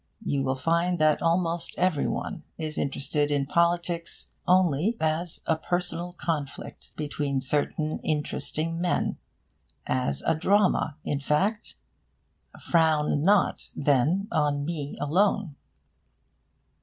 You will find that almost every one is interested in politics only as a personal conflict between certain interesting men as a drama, in fact. Frown not, then, on me alone.